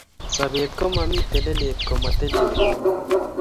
sapet komami telelet ko mateleli komiei